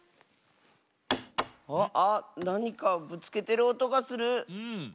あっなにかぶつけてるおとがする。